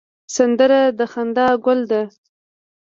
سندره د خندا ګل ده